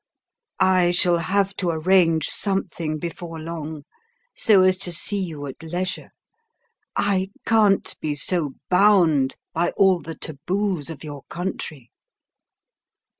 I shall have to arrange something before long so as to see you at leisure. I can't be so bound by all the taboos of your country."